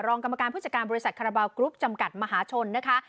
กรรมการผู้จัดการบริษัทคาราบาลกรุ๊ปจำกัดมหาชนนะคะ